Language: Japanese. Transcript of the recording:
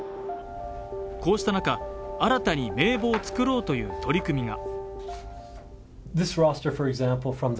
こうした中、新たに名簿を作ろうという取り組みが。